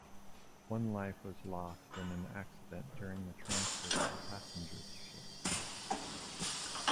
One life was lost in an accident during the transfer to the passenger ship.